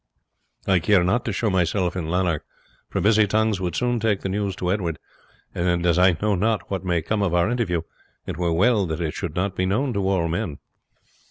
I care not to show myself in Lanark, for busy tongues would soon take the news to Edward; and as I know not what may come of our interview, it were well that it should not be known to all men."